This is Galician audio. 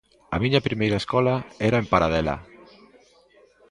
"A miña primeira escola era en Paradela".